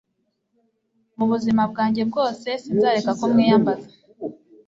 mu buzima bwanjye bwose sinzareka kumwiyambaza